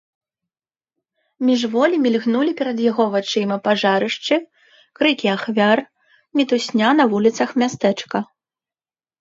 Міжволі мільгнулі перад яго вачыма пажарышчы, крыкі ахвяр, мітусня на вуліцах мястэчка.